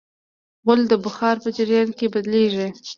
غول د بخار په جریان کې بدلېږي.